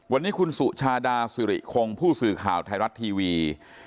วันนี้คุณสุชาดาสิริคงผู้สื่อข่าวไทยรัฐทีวี